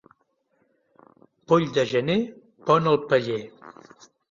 Poll de gener pon al paller.